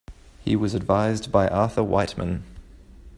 He was advised by Arthur Wightman.